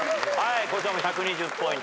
こちらも１２０ポイント。